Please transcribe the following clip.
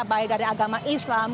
baik dari agama islam